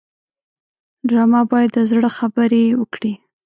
ډرامه باید د زړه خبرې وکړي